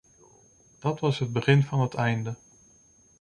Dat is het begin van het einde.